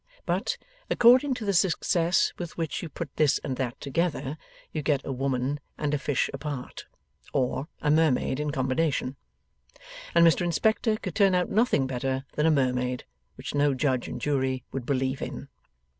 But, according to the success with which you put this and that together, you get a woman and a fish apart, or a Mermaid in combination. And Mr Inspector could turn out nothing better than a Mermaid, which no Judge and Jury would believe in.